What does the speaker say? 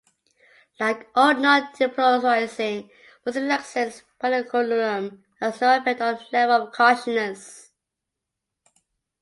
Like all non-depolarising muscle relaxants, pancuronium has no effect on level of consciousness.